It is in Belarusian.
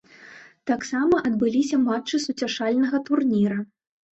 Таксама адбыліся мачты суцяшальнага турніра.